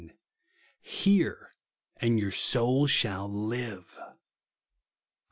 "Hear, and your soul shall Hve," (Isa.